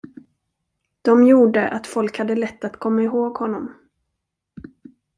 De gjorde att folk hade lätt att komma ihåg honom.